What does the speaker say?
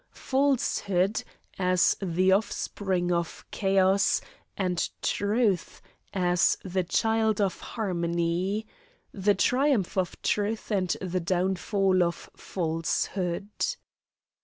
Falsehood, as the offspring of chaos, and Truth, as the child of harmony. The triumph of truth and the downfall of falsehood.